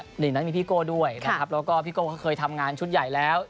เดี๋ยวนักนี้พี่โก้ด้วยแล้วครับแล้วก็พี่โก้เคยทำงานชุดใหญ่แล้ว